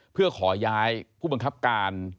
เพื่อขอย้ายผู้บังคับการ